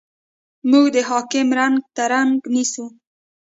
موږ د حاکم رنګ ته رنګ نیسو.